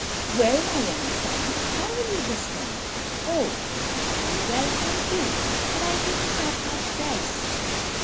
"Well, my young son, how are you this morning?" "Oh, I am very well, thank you, but I didn't have much rest."